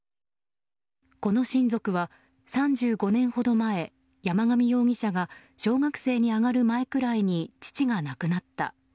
この親族は３５年ほど前山上容疑者が小学生に上がる前くらいに父が亡くなった。